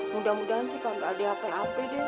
mudah mudahan sih kagak ada yang ape ape deh